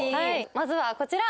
まずはこちら。